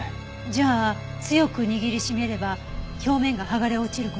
じゃあ強く握り締めれば表面が剥がれ落ちる事も。